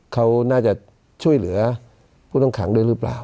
เขาน่าจะช่วยเหลือผู้ต้องขังด้วยหรือเปล่า